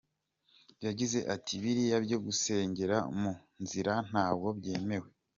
Yagize ati “Biriya byo gusengera mu nzira ntabwo byemewe.